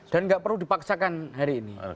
dan tidak perlu dipaksakan hari ini